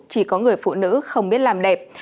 chỉ có người phụ nữ không biết làm đẹp